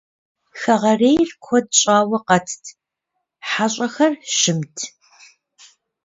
Хэгъэрейр куэд щӀауэ къэтт, хьэщӏэхэр щымт.